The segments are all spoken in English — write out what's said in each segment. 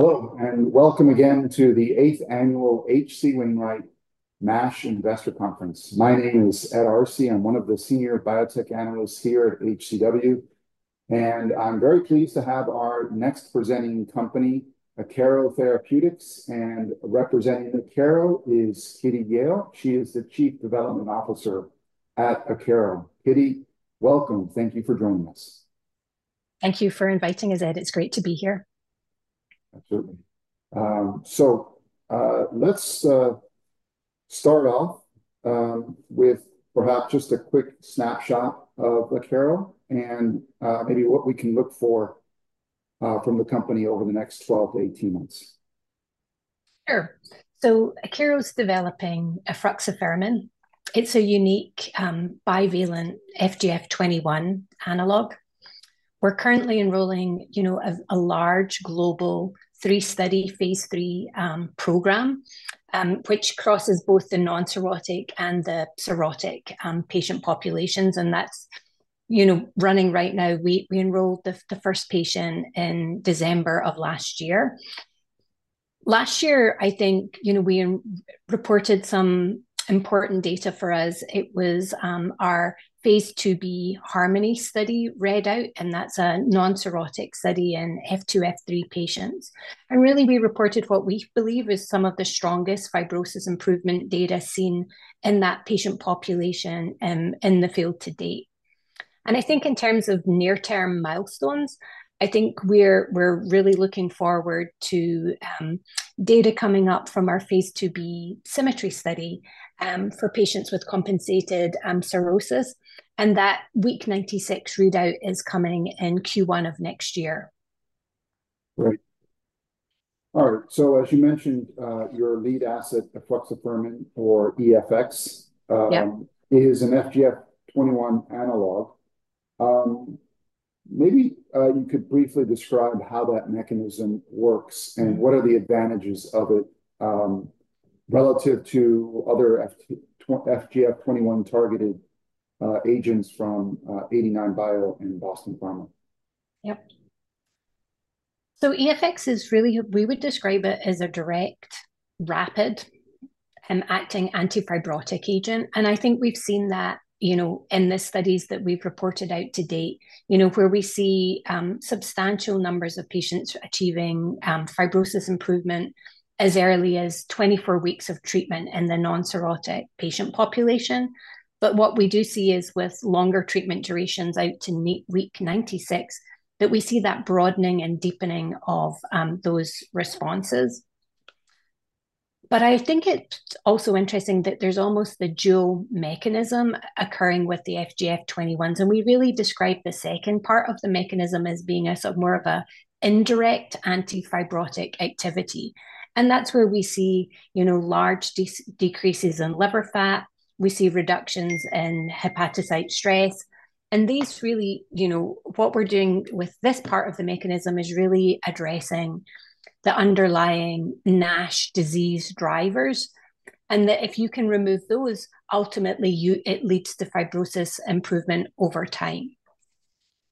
Hello, and welcome again to the Eighth Annual H.C. Wainwright NASH Investor Conference. My name is Ed Arce. I'm one of the senior biotech analysts here at HCW, and I'm very pleased to have our next presenting company, Akero Therapeutics, and representing Akero is Kitty Yale. She is the Chief Development Officer at Akero. Kitty, welcome. Thank you for joining us. Thank you for inviting us, Ed. It's great to be here. Absolutely. So, let's start off with perhaps just a quick snapshot of Akero and maybe what we can look for from the company over the next twelve to eighteen months. Sure. So Akero's developing efruxifermin. It's a unique bivalent FGF21 analog. We're currently enrolling, you know, a large global three-study phase III program, which crosses both the non-cirrhotic and the cirrhotic patient populations, and that's, you know, running right now. We enrolled the first patient in December of last year. Last year, I think, you know, we reported some important data for us. It was our phase II-B HARMONY study read out, and that's a non-cirrhotic study in F2, F3 patients. And really, we reported what we believe is some of the strongest fibrosis improvement data seen in that patient population in the field to date. I think in terms of near-term milestones, I think we're really looking forward to data coming up from our phase II-B SYMMETRY study for patients with compensated cirrhosis, and that week 96 readout is coming in Q1 of next year. Great. All right, so as you mentioned, your lead asset, efruxifermin or EFX- Yeah. s an FGF21 analog. Maybe you could briefly describe how that mechanism works and what are the advantages of it, relative to other FGF21-targeted agents from 89bio and Boston Pharmaceuticals? Yep. So EFX is really... We would describe it as a direct, rapid, acting anti-fibrotic agent, and I think we've seen that, you know, in the studies that we've reported out to date, you know, where we see, substantial numbers of patients achieving, fibrosis improvement as early as twenty-four weeks of treatment in the non-cirrhotic patient population. But what we do see is with longer treatment durations out to week ninety-six, that we see that broadening and deepening of, those responses. But I think it's also interesting that there's almost the dual mechanism occurring with the FGF21s, and we really describe the second part of the mechanism as being a sort of more of an indirect anti-fibrotic activity. And that's where we see, you know, large decreases in liver fat. We see reductions in hepatocyte stress. These really, you know, what we're doing with this part of the mechanism is really addressing the underlying NASH disease drivers, and that if you can remove those, ultimately, you, it leads to fibrosis improvement over time.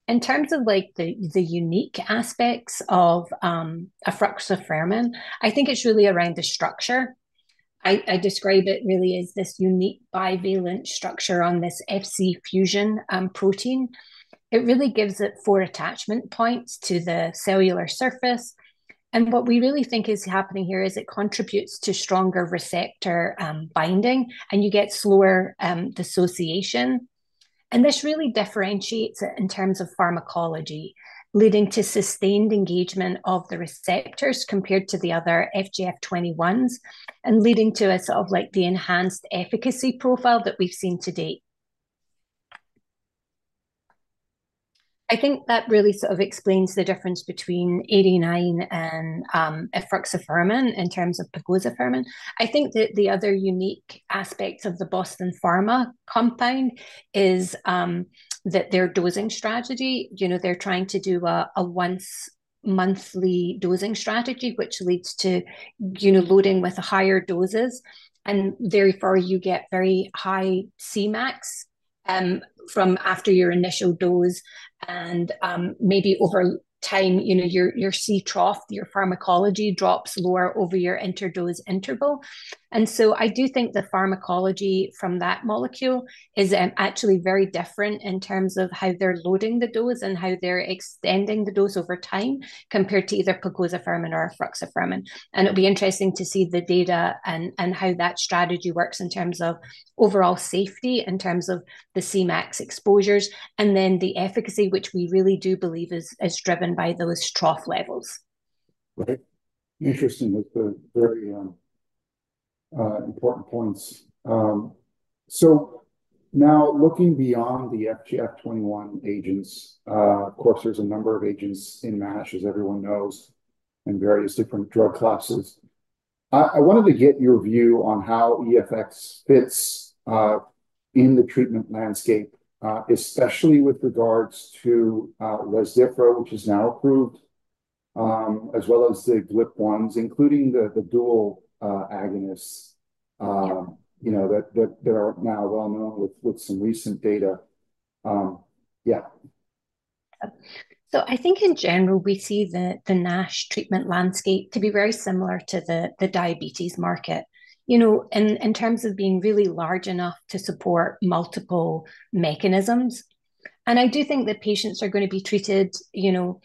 In terms of, like, the unique aspects of efruxifermin, I think it's really around the structure. I describe it really as this unique bivalent structure on this Fc fusion protein. It really gives it four attachment points to the cellular surface, and what we really think is happening here is it contributes to stronger receptor binding, and you get slower dissociation. And this really differentiates it in terms of pharmacology, leading to sustained engagement of the receptors compared to the other FGF21s and leading to a sort of like the enhanced efficacy profile that we've seen to date. I think that really sort of explains the difference between 89bio and efruxifermin in terms of pegozafermin. I think that the other unique aspects of the Boston Pharmaceuticals compound is that their dosing strategy, you know, they're trying to do a once monthly dosing strategy, which leads to, you know, loading with higher doses, and therefore, you get very high Cmax from after your initial dose. And maybe over time, you know, your C trough, your pharmacology drops lower over your interdose interval, and so I do think the pharmacology from that molecule is actually very different in terms of how they're loading the dose and how they're extending the dose over time, compared to either pegozafermin or efruxifermin. And it'll be interesting to see the data and how that strategy works in terms of overall safety, in terms of the Cmax exposures, and then the efficacy, which we really do believe is driven by those trough levels. Right. Interesting. That's the very important points, so now looking beyond the FGF21 agents, of course, there's a number of agents in NASH, as everyone knows, in various different drug classes. I wanted to get your view on how EFX fits in the treatment landscape, especially with regards to Rezdiffra, which is now approved, as well as the GLP-1s, including the dual agonists, you know, that there are now well-known with some recent data... yeah. I think in general, we see the NASH treatment landscape to be very similar to the diabetes market. You know, in terms of being really large enough to support multiple mechanisms. I do think that patients are going to be treated, you know,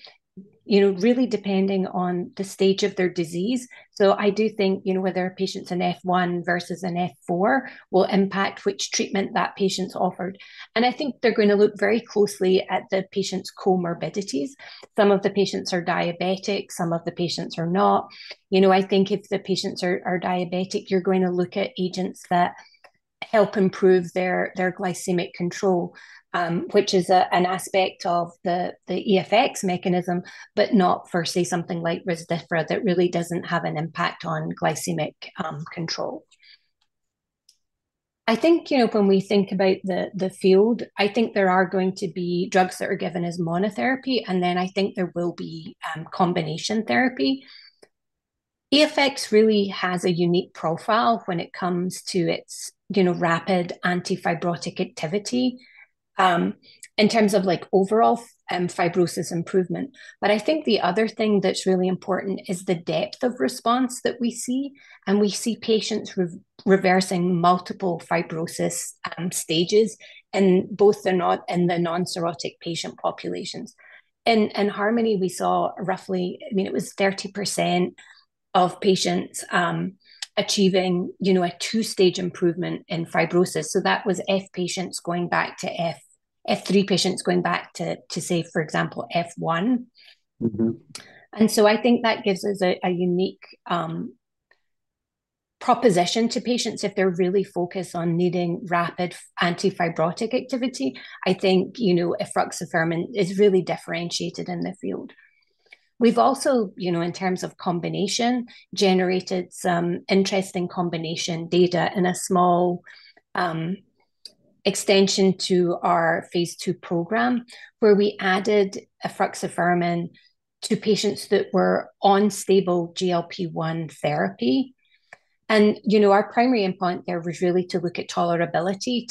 really depending on the stage of their disease. I do think, you know, whether a patient's an F1 versus an F4 will impact which treatment that patient's offered. I think they're going to look very closely at the patient's comorbidities. Some of the patients are diabetic, some of the patients are not. You know, I think if the patients are diabetic, you're going to look at agents that help improve their glycemic control, which is an aspect of the EFX mechanism, but not for, say, something like Rezdiffra that really doesn't have an impact on glycemic control. I think, you know, when we think about the field, I think there are going to be drugs that are given as monotherapy, and then I think there will be combination therapy. EFX really has a unique profile when it comes to its, you know, rapid antifibrotic activity in terms of, like, overall fibrosis improvement. But I think the other thing that's really important is the depth of response that we see, and we see patients reversing multiple fibrosis stages, and both the cirrhotic and the non-cirrhotic patient populations. In HARMONY, we saw roughly... I mean, it was 30% of patients achieving, you know, a two-stage improvement in fibrosis. So that was F patients going back to F... F3 patients going back to, say, for example, F1. Mm-hmm. And so I think that gives us a unique proposition to patients if they're really focused on needing rapid antifibrotic activity. I think, you know, efruxifermin is really differentiated in the field. We've also, you know, in terms of combination, generated some interesting combination data in a small extension to our phase II program, where we added efruxifermin to patients that were on stable GLP-1 therapy. And, you know, our primary endpoint there was really to look at tolerability,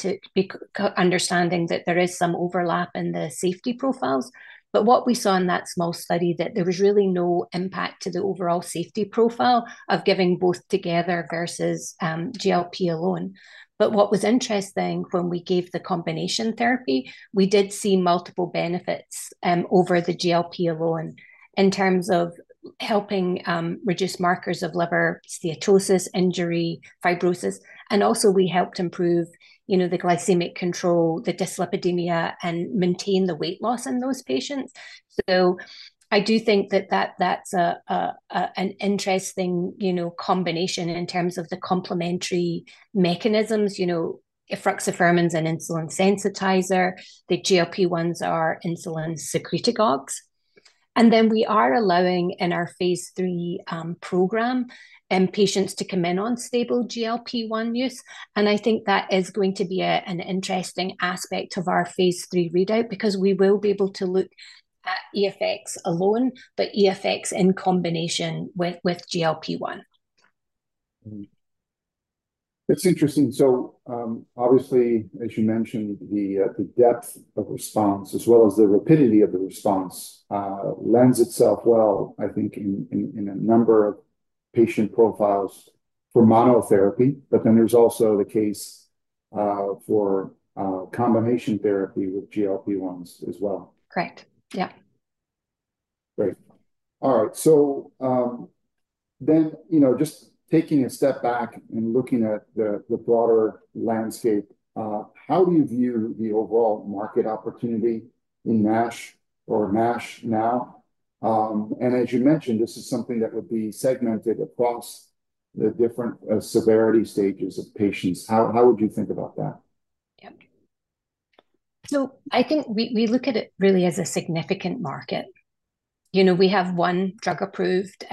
understanding that there is some overlap in the safety profiles. But what we saw in that small study, that there was really no impact to the overall safety profile of giving both together versus GLP alone. But what was interesting, when we gave the combination therapy, we did see multiple benefits over the GLP alone, in terms of helping reduce markers of liver steatosis, injury, fibrosis, and also we helped improve, you know, the glycemic control, the dyslipidemia, and maintain the weight loss in those patients. So I do think that that's an interesting, you know, combination in terms of the complementary mechanisms. You know, efruxifermin is an insulin sensitizer. The GLP-1s are insulin secretagogues. And then we are allowing, in our phase III program, patients to come in on stable GLP-1 use, and I think that is going to be an interesting aspect of our phase III readout, because we will be able to look at EFX alone, but EFX in combination with GLP-1. Mm-hmm. It's interesting. So, obviously, as you mentioned, the depth of response, as well as the rapidity of the response, lends itself well, I think, in a number of patient profiles for monotherapy, but then there's also the case for combination therapy with GLP-1s as well. Correct. Yeah. Great. All right. So, then, you know, just taking a step back and looking at the broader landscape, how do you view the overall market opportunity in NASH or MASH now? And as you mentioned, this is something that would be segmented across the different severity stages of patients. How would you think about that? Yeah. So I think we look at it really as a significant market. You know, we have one drug approved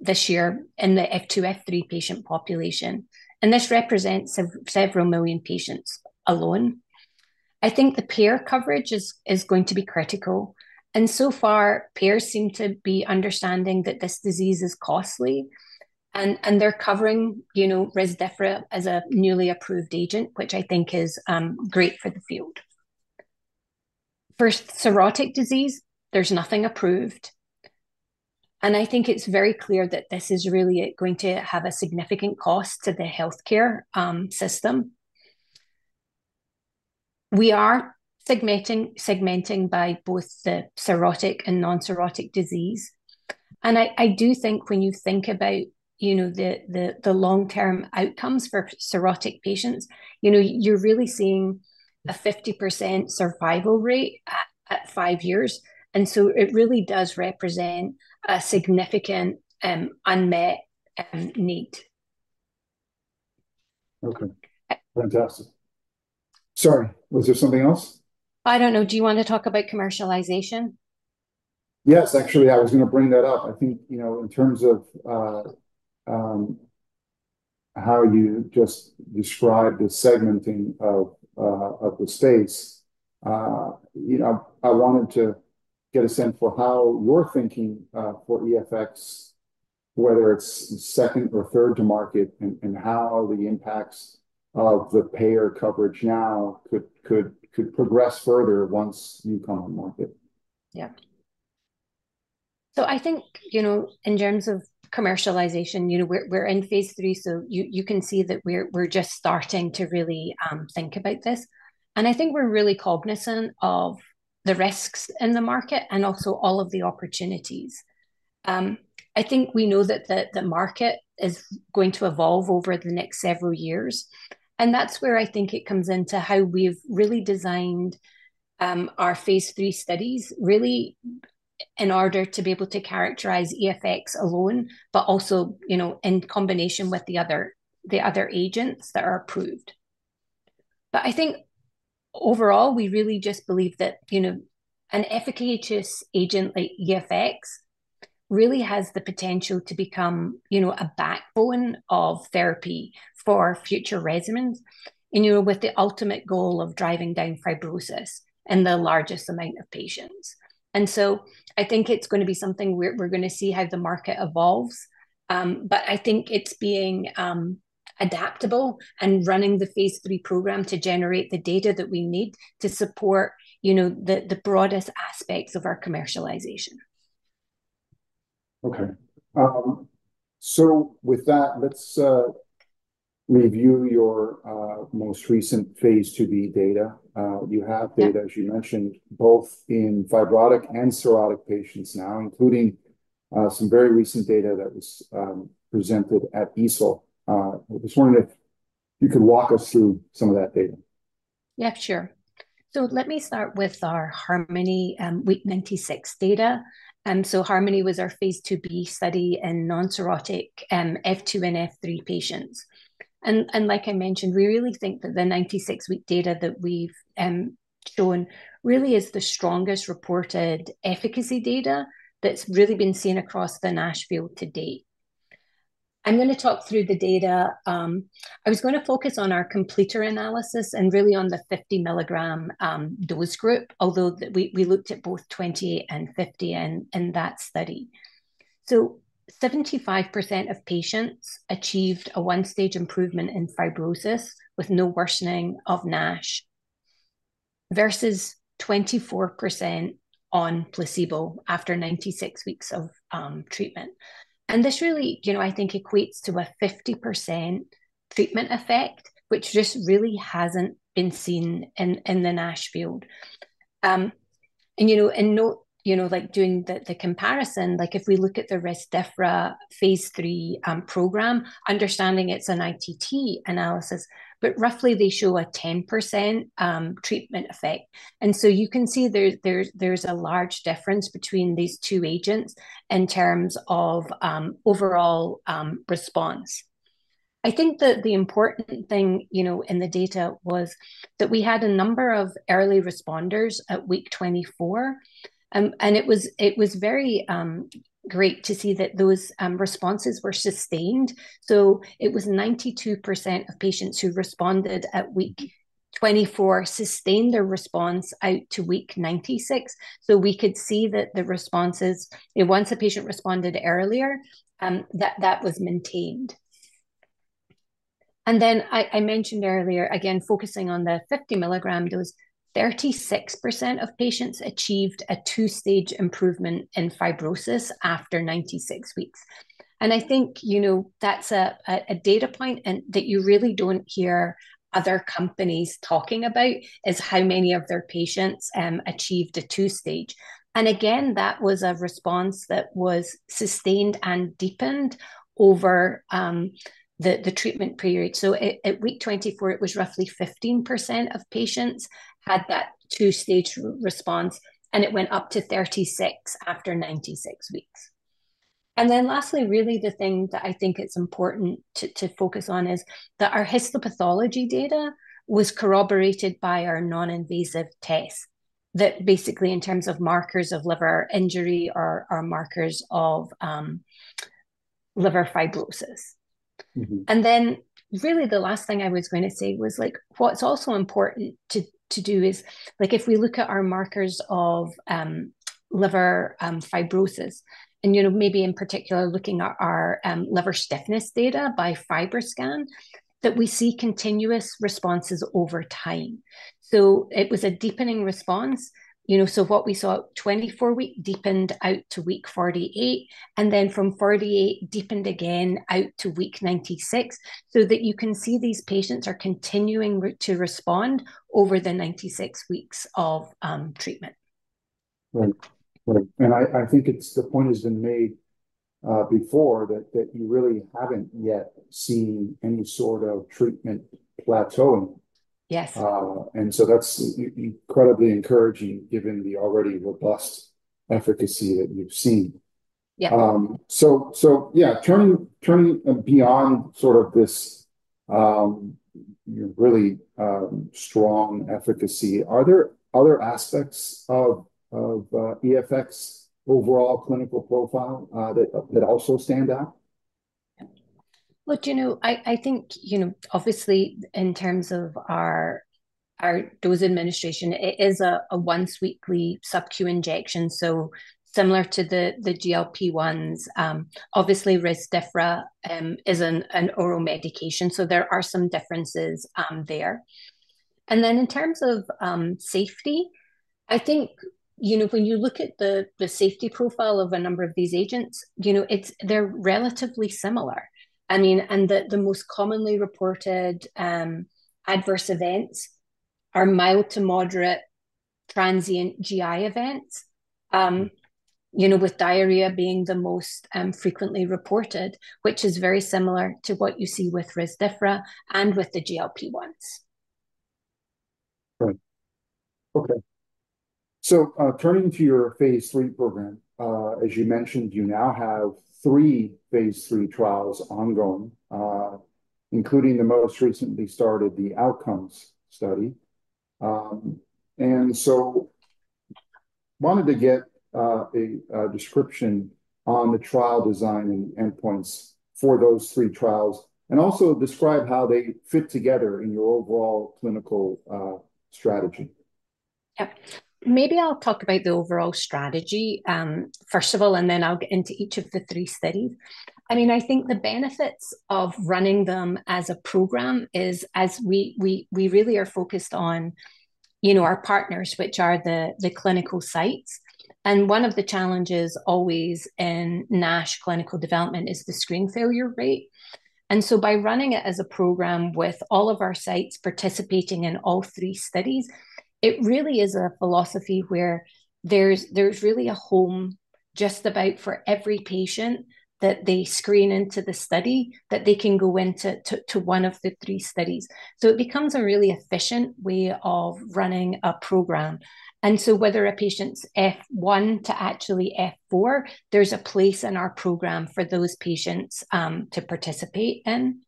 this year in the F2, F3 patient population, and this represents several million patients alone. I think the payer coverage is going to be critical, and so far, payers seem to be understanding that this disease is costly, and they're covering, you know, Rezdiffra as a newly approved agent, which I think is great for the field. For cirrhotic disease, there's nothing approved, and I think it's very clear that this is really going to have a significant cost to the healthcare system. We are segmenting by both the cirrhotic and non-cirrhotic disease. I do think when you think about, you know, the long-term outcomes for cirrhotic patients, you know, you're really seeing a 50% survival rate at five years, and so it really does represent a significant unmet need. Okay. Fantastic. Sorry, was there something else? I don't know. Do you want to talk about commercialization? Yes, actually, I was going to bring that up. I think, you know, in terms of how you just described the segmenting of the states, you know, I wanted to get a sense for how you're thinking for EFX whether it's second or third to market, and how the impacts of the payer coverage now could progress further once you come on the market? Yeah, so I think, you know, in terms of commercialization, you know, we're in phase III, so you can see that we're just starting to really think about this, and I think we're really cognizant of the risks in the market and also all of the opportunities. I think we know that the market is going to evolve over the next several years, and that's where I think it comes into how we've really designed our phase III studies, really in order to be able to characterize EFX alone, but also, you know, in combination with the other agents that are approved. But I think overall, we really just believe that, you know, an efficacious agent like EFX really has the potential to become, you know, a backbone of therapy for future regimens, and, you know, with the ultimate goal of driving down fibrosis in the largest amount of patients. And so I think it's gonna be something we're gonna see how the market evolves. But I think it's being adaptable and running the phase III program to generate the data that we need to support, you know, the, the broadest aspects of our commercialization. Okay. So with that, let's review your most recent phase II-B data. You have data- Yeah... as you mentioned, both in fibrotic and cirrhotic patients now, including, some very recent data that was, presented at EASL. I just wondering if you could walk us through some of that data? Yeah, sure, so let me start with our HARMONY week 96 data, and so HARMONY was our phase II-B study in non-cirrhotic F2 and F3 patients, and like I mentioned, we really think that the 96-week data that we've shown really is the strongest reported efficacy data that's really been seen across the NASH field to date. I'm gonna talk through the data. I was gonna focus on our completer analysis and really on the 50 mg dose group, although we looked at both 20 and 50 in that study, so 75% of patients achieved a one-stage improvement in fibrosis with no worsening of NASH, versus 24% on placebo after 96 weeks of treatment, and this really, you know, I think equates to a 50% treatment effect, which just really hasn't been seen in the NASH field. And you know not you know like doing the comparison like if we look at the Rezdiffra phase III program, understanding it's an ITT analysis, but roughly they show a 10% treatment effect. And so you can see there, there's a large difference between these two agents in terms of overall response. I think that the important thing you know in the data was that we had a number of early responders at week 24. And it was very great to see that those responses were sustained. So it was 92% of patients who responded at week 24 sustained their response out to week 96. So we could see that the responses... Once a patient responded earlier, that was maintained. I mentioned earlier, again, focusing on the 50 mg dose, 36% of patients achieved a two-stage improvement in fibrosis after 96 weeks. I think, you know, that's a data point that you really don't hear other companies talking about, is how many of their patients achieved a two-stage. Again, that was a response that was sustained and deepened over the treatment period. At week 24, it was roughly 15% of patients had that two-stage response, and it went up to 36% after 96 weeks. Lastly, really, the thing that I think it's important to focus on is that our histopathology data was corroborated by our non-invasive test, that basically, in terms of markers of liver injury or markers of liver fibrosis. Mm-hmm. And then really the last thing I was gonna say was, like, what's also important to, to do is, like, if we look at our markers of liver fibrosis, and, you know, maybe in particular, looking at our liver stiffness data by FibroScan, that we see continuous responses over time. So it was a deepening response, you know, so what we saw at 24 week deepened out to week 48, and then from 48, deepened again out to week 96, so that you can see these patients are continuing to respond over the 96 weeks of treatment. Right. Right. And I think the point has been made before that you really haven't yet seen any sort of treatment plateauing. Yes. And so that's incredibly encouraging, given the already robust efficacy that you've seen. Yeah. Turning beyond sort of this really strong efficacy, are there other aspects of EFX's overall clinical profile that also stand out? Well, do you know, I think, you know, obviously, in terms of our dose administration, it is a once weekly SubQ injection, so similar to the GLP-1s. Obviously, Rezdiffra is an oral medication, so there are some differences there. And then in terms of safety, I think, you know, when you look at the safety profile of a number of these agents, you know, it's. They're relatively similar. I mean, and the most commonly reported adverse events are mild to moderate transient GI events. You know, with diarrhea being the most frequently reported, which is very similar to what you see with Rezdiffra and with the GLP-1s. Right. Okay. So, turning to your phase III program, as you mentioned, you now have three phase III trials ongoing, including the most recently started, the Outcomes study. And so wanted to get a description on the trial design and endpoints for those three trials, and also describe how they fit together in your overall clinical strategy? Yep. Maybe I'll talk about the overall strategy, first of all, and then I'll get into each of the three studies. I mean, I think the benefits of running them as a program is, as we really are focused on, you know, our partners, which are the clinical sites. And one of the challenges always in NASH clinical development is the screen failure rate. And so by running it as a program with all of our sites participating in all three studies, it really is a philosophy where there's really a home just about for every patient that they screen into the study, that they can go into, to one of the three studies. So it becomes a really efficient way of running a program. Whether a patient's F1 to actually F4, there's a place in our program for those patients to participate in.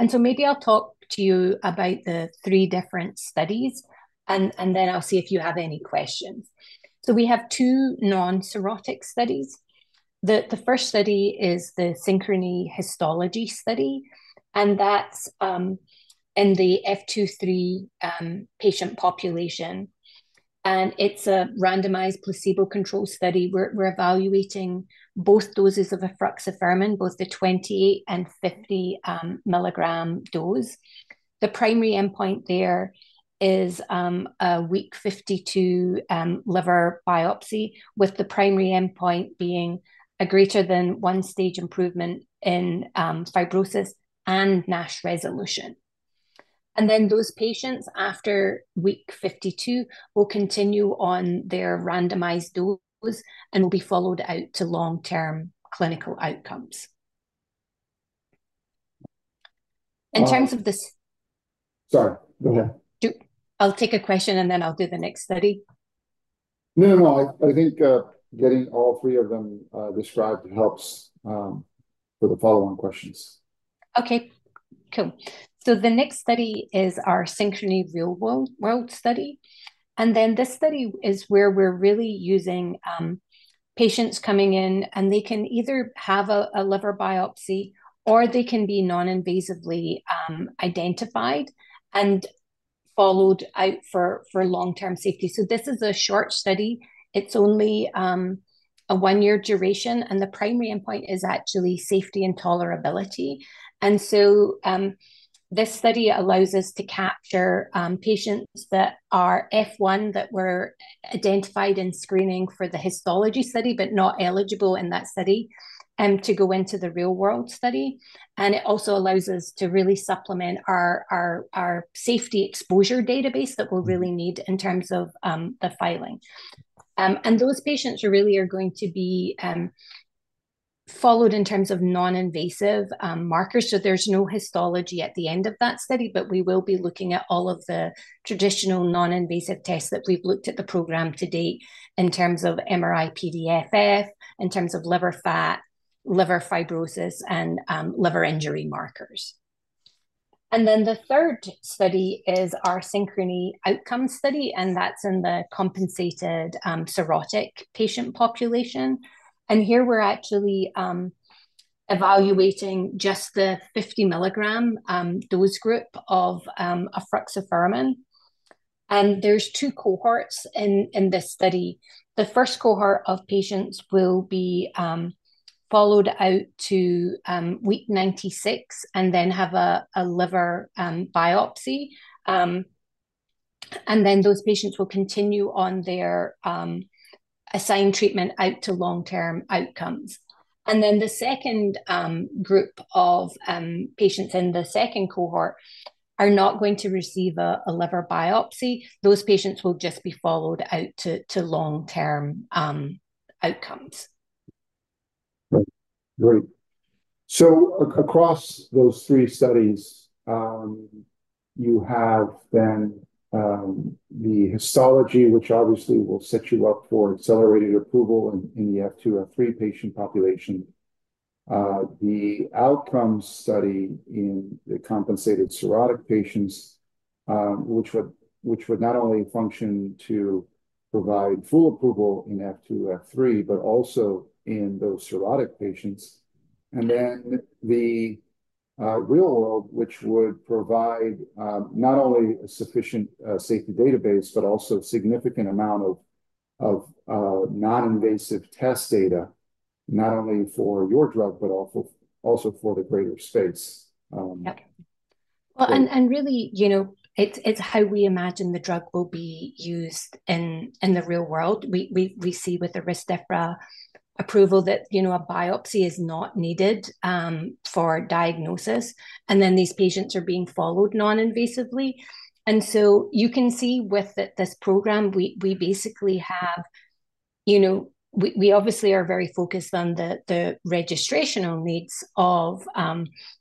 Maybe I'll talk to you about the three different studies, and then I'll see if you have any questions. We have two non-cirrhotic studies. The first study is the SYNCHRONY Histology study, and that's in the F2, F3 patient population, and it's a randomized placebo-controlled study. We're evaluating both doses of efruxifermin, both the 20 and 50 mg dose. The primary endpoint there is a week 52 liver biopsy, with the primary endpoint being a greater than one-stage improvement in fibrosis and NASH resolution. Those patients, after week 52, will continue on their randomized dose and will be followed out to long-term clinical outcomes. Uh- In terms of the s- Sorry, go ahead. I'll take a question, and then I'll do the next study. No, no, no. I think getting all three of them described helps for the follow-on questions. Okay, cool. So the next study is our SYNCHRONY Real-World Study. And then this study is where we're really using patients coming in, and they can either have a liver biopsy, or they can be non-invasively identified and followed out for long-term safety. So this is a short study. It's only a one-year duration, and the primary endpoint is actually safety and tolerability. And so this study allows us to capture patients that are F1, that were identified in screening for the histology study, but not eligible in that study to go into the real-world study. And it also allows us to really supplement our safety exposure database that we'll really need in terms of the filing. And those patients really are going to be followed in terms of non-invasive markers. So there's no histology at the end of that study, but we will be looking at all of the traditional non-invasive tests that we've looked at the program to date in terms of MRI-PDFF, in terms of liver fat, liver fibrosis, and liver injury markers. And then the third study is our SYNCHRONY Outcomes study, and that's in the compensated cirrhotic patient population. And here we're actually evaluating just the 50 mg dose group of efruxifermin. And there's two cohorts in this study. The first cohort of patients will be followed out to week 96, and then have a liver biopsy. And then those patients will continue on their assigned treatment out to long-term outcomes. And then the second group of patients in the second cohort are not going to receive a liver biopsy. Those patients will just be followed out to, to long-term outcomes. Right. Great. So across those three studies, you have then the histology, which obviously will set you up for accelerated approval in the F2, F3 patient population. The outcome study in the compensated cirrhotic patients, which would not only function to provide full approval in F2, F3, but also in those cirrhotic patients. Then the real world, which would provide not only a sufficient safety database, but also significant amount of non-invasive test data, not only for your drug, but also for the greater space. Yeah. Well, and really, you know, it's how we imagine the drug will be used in the real world. We see with the Rezdiffra approval that, you know, a biopsy is not needed for diagnosis, and then these patients are being followed non-invasively, and so you can see with this program, we basically have... You know, we obviously are very focused on the registrational needs of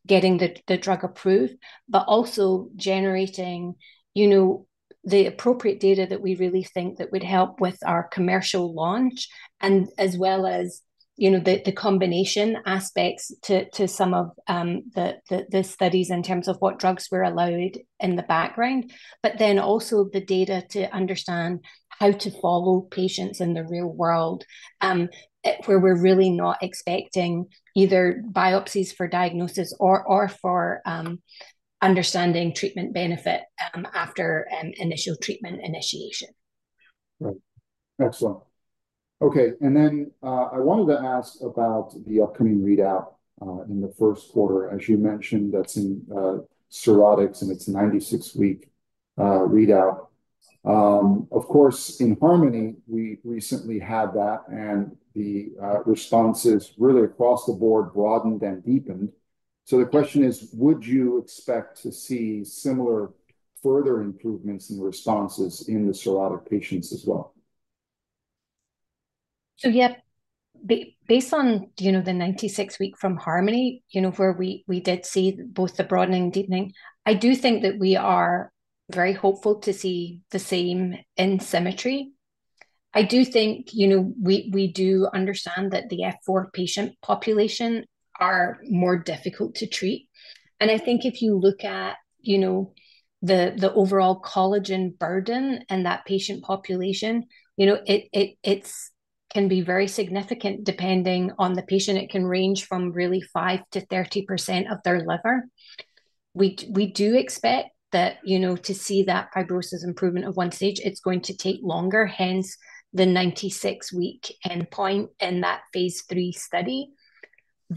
getting the drug approved, but also generating, you know, the appropriate data that we really think that would help with our commercial launch, and as well as, you know, the combination aspects to some of the studies in terms of what drugs were allowed in the background, but then also the data to understand how to follow patients in the real world, where we're really not expecting either biopsies for diagnosis or for understanding treatment benefit after initial treatment initiation. Right. Excellent. Okay, and then, I wanted to ask about the upcoming readout, in the first quarter. As you mentioned, that's in, cirrhotics, and it's a ninety-six-week, readout. Of course, in HARMONY, we recently had that, and the, responses really across the board broadened and deepened. So the question is: Would you expect to see similar further improvements in responses in the cirrhotic patients as well? Yeah. Based on, you know, the 96-week from HARMONY, you know, where we did see both the broadening and deepening, I do think that we are very hopeful to see the same in SYMMETRY. I do think, you know, we do understand that the F4 patient population is more difficult to treat, and I think if you look at, you know, the overall collagen burden in that patient population, you know, it's can be very significant, depending on the patient. It can range from really five to 30% of their liver. We do expect that, you know, to see that fibrosis improvement of one stage, it's going to take longer, hence the 96-week endpoint in that phase III study.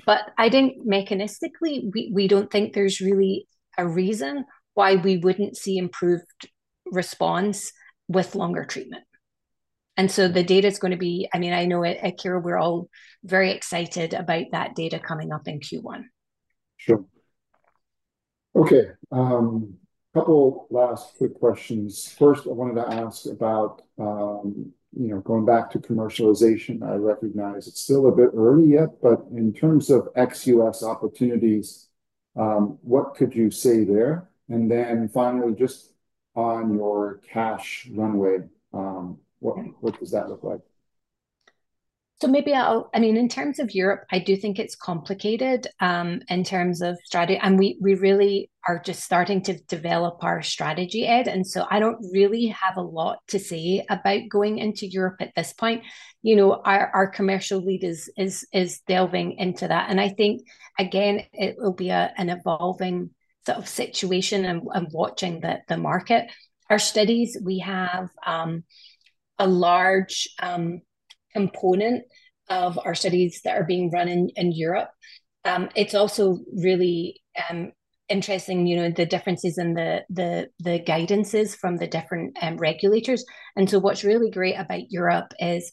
But I think mechanistically, we don't think there's really a reason why we wouldn't see improved response with longer treatment. And so the data's gonna be... I mean, I know at Akero, we're all very excited about that data coming up in Q1. Sure. Okay, couple last quick questions. First, I wanted to ask about, you know, going back to commercialization. I recognize it's still a bit early yet, but in terms of ex-U.S. opportunities, what could you say there? And then finally, just on your cash runway, what does that look like? So maybe I'll. I mean, in terms of Europe, I do think it's complicated in terms of strategy, and we really are just starting to develop our strategy, Ed, and so I don't really have a lot to say about going into Europe at this point. You know, our commercial lead is delving into that, and I think, again, it will be an evolving sort of situation and watching the market. Our studies, we have a large component of our studies that are being run in Europe. It's also really interesting, you know, the differences in the guidances from the different regulators. And so what's really great about Europe is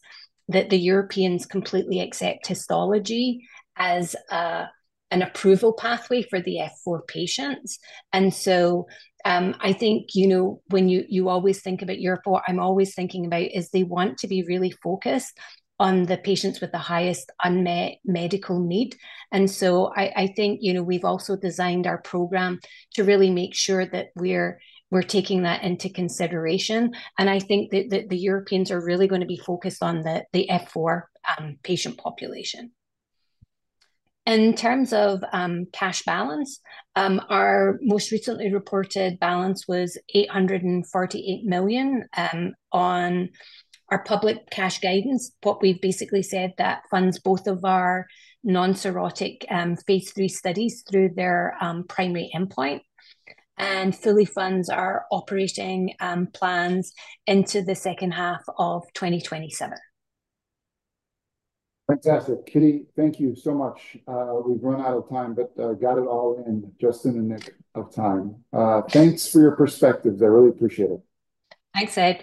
that the Europeans completely accept histology as an approval pathway for the F4 patients. And so, I think, you know, when you always think about Europe, what I'm always thinking about is they want to be really focused on the patients with the highest unmet medical need. And so I think, you know, we've also designed our program to really make sure that we're taking that into consideration, and I think that the Europeans are really gonna be focused on the F4 patient population. In terms of cash balance, our most recently reported balance was $848 million on our public cash guidance. What we've basically said, that funds both of our non-cirrhotic phase III studies through their primary endpoint, and fully funds our operating plans into the second half of 2027. Fantastic. Kitty, thank you so much. We've run out of time, but got it all in just the nick of time. Thanks for your perspectives. I really appreciate it. Thanks, Ed.